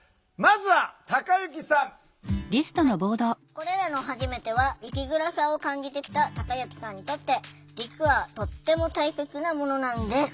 これらのはじめては生きづらさを感じてきたたかゆきさんにとって実はとっても大切なものなんです。